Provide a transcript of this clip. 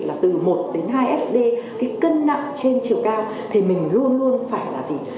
là từ một đến hai sd cái cân nặng trên chiều cao thì mình luôn luôn phải là gì